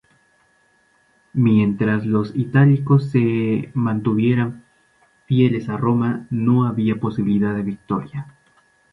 Mientras los itálicos se mantuvieran fieles a Roma, no había posibilidad de victoria.